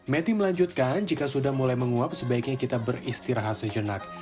matty melanjutkan jika sudah mulai menguap sebaiknya kita beristirahat sejenak